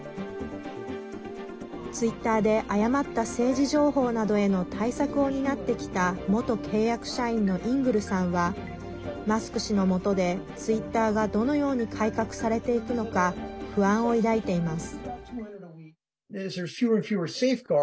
ツイッターで誤った政治情報などへの対策を担ってきた元契約社員のイングルさんはマスク氏のもとでツイッターがどのように改革されていくのか不安を抱いています。